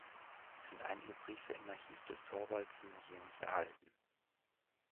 Es sind einige Briefe im Archiv des Thorvaldsen-Museums erhalten.